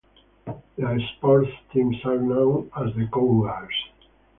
Their sports teams are known as the Cougars.